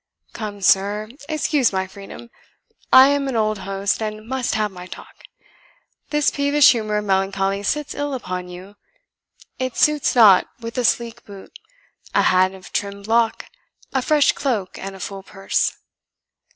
Come, sir, excuse my freedom. I am an old host, and must have my talk. This peevish humour of melancholy sits ill upon you; it suits not with a sleek boot, a hat of trim block, a fresh cloak, and a full purse.